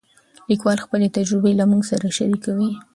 لیکوال خپلې تجربې له موږ سره شریکوي.